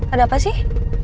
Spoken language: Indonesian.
ada apa sih